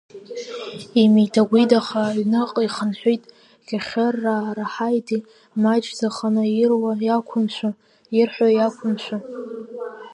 Имидагәидаха аҩныҟа ихынҳәит Кьахьырраа, раҳаиди маҷӡаханы, ируа иақәымшәо, ирҳәо иақәымшәо.